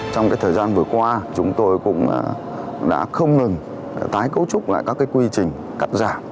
trong thời gian vừa qua chúng tôi cũng đã không ngừng tái cấu trúc lại các quy trình cắt giảm